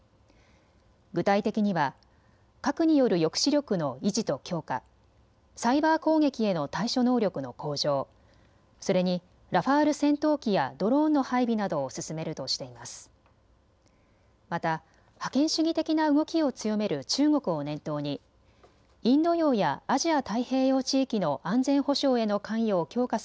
具体的には核による抑止力の維持と強化、サイバー攻撃への対処能力の向上、それにラファール戦闘機やドローンの配備などを進めるとしています。